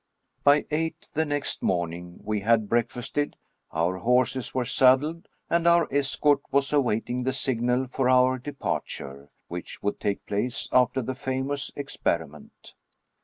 By eight the next morning we had breakfasted, our horses were saddled, and our escort was awaiting the signal for our departure, which would take place after the famous experiment.